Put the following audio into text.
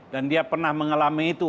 dan dia pernah mengalami itu